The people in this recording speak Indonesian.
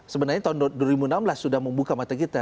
sebenarnya tahun dua ribu enam belas sudah membuka mata kita